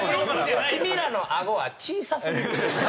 君らのアゴは小さすぎる。